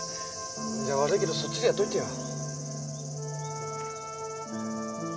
じゃあ悪いけどそっちでやっといてよ。